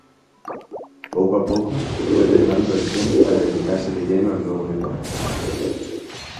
Poco a poco fue dejando el tenis para dedicarse de lleno al nuevo deporte.